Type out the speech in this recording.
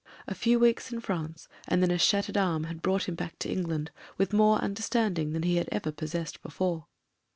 A few weeks in France, and then a shattered arm had brought him back to England with more understanding than he had ever possessed before.